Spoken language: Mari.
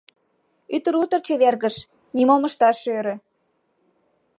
Ӱдыр утыр чевергыш, нимом ышташ ӧрӧ.